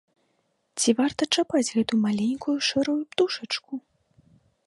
Ці варта чапаць гэту маленькую шэрую птушачку?